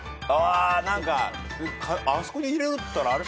あ何かあそこに入れるったら